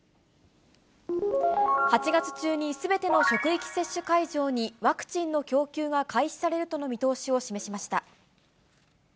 ８月中にすべての職域接種会場にワクチンの供給が開始されるとの見通しを示しました。